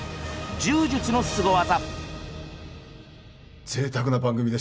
柔術のスゴ技」。